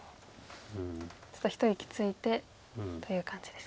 ちょっと一息ついてという感じですかね。